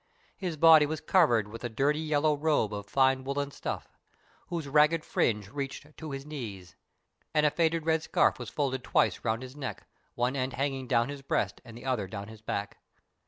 His body was covered with a dirty yellow robe of fine woollen stuff, whose ragged fringe reached to his knees, and a faded red scarf was folded twice round his neck, one end hanging down his breast and the other down his back.